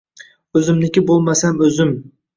O‘zimniki bo‘lmasam o‘zim.